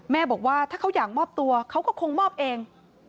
บอกว่าถ้าเขาอยากมอบตัวเขาก็คงมอบเอง